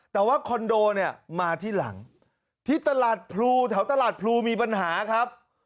แต่ว่าคอนโดเนี่ยมาที่หลังที่ตลาดพลูแถวตลาดพลูมีปัญหาครับ